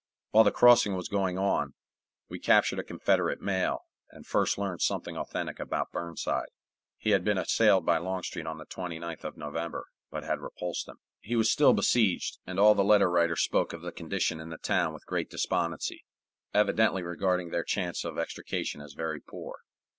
While the crossing was going on, we captured a Confederate mail, and first learned something authentic about Burnside. He had been assailed by Longstreet on the 29th of November, but had repulsed him. He was still besieged, and all the letter writers spoke of the condition in the town with great despondency, evidently regarding their chance of extrication as very poor.